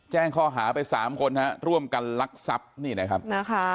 แจ้งข้อหาไปสามคนฮะร่วมกันลักษับนี่แหละครับนะคะ